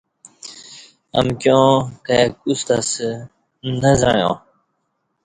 امکیاں کائی کوستہ اسہ نہ زعݩیا